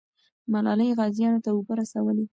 ملالۍ غازیانو ته اوبه رسولې.